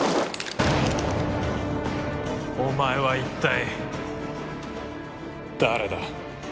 お前は一体誰だ？